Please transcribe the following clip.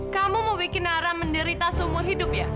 kamu mau bikin ara menderita seumur hidup ya